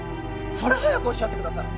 それを早くおっしゃってください。